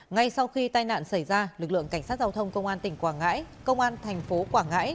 ngay sau khi tai nạn xảy ra lực lượng cảnh sát giao thông công an tỉnh quảng ngãi công an thành phố quảng ngãi